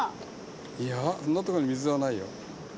いやそんなとこに水はないよ。